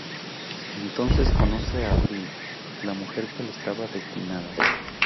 Entonces conoce a Abril, la mujer que le estaba destinada.